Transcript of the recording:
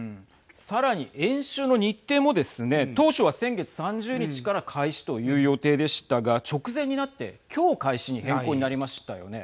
さらに、演習の日程もですね当初は先月３０日から開始という予定でしたが直前になって今日開始に変更になりましたよね。